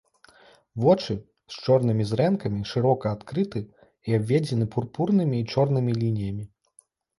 Вочы з чорнымі зрэнкамі шырока адкрыты і абведзены пурпурнымі і чорнымі лініямі.